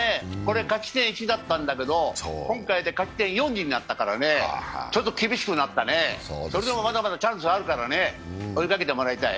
勝ち点１だったんだけど、今回で勝ち点４になったからね、ちょっと厳しくなったね、それでもまだまだチャンスはあるから追いかけてもらいたい。